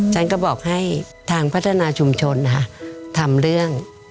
ฉันก็บอกให้ทางพัฒนาชุมชนทำเรื่อง